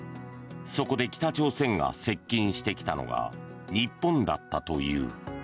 そこで北朝鮮が接近してきたのが日本だったという。